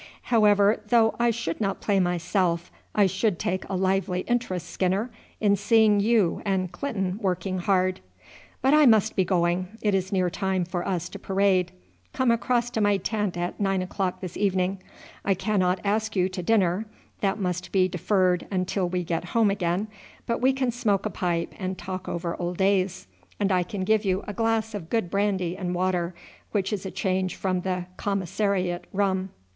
However, though I should not play myself, I should take a lively interest, Skinner, in seeing you and Clinton working hard. But I must be going, it is near time for us to parade. Come across to my tent at nine o'clock this evening. I cannot ask you to dinner that must be deferred until we get home again but we can smoke a pipe and talk over old days; and I can give you a glass of good brandy and water, which is a change from the commissariat rum.